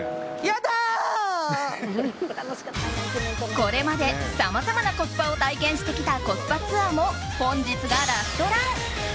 これまでさまざまなコスパを体験してきたコスパツアーも本日がラストラン！